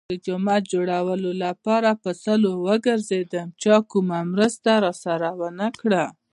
د جماعت جوړولو لپاره په سلو وگرځېدم. چا کومه مرسته راسره ونه کړه.